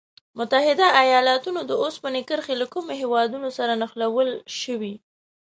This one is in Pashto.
متحد ایلاتونو د اوسپنې کرښې له کومو هېوادونو سره نښلول شوي؟